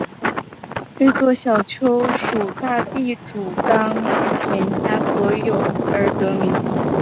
这座小丘属大地主冈田家所有而得名。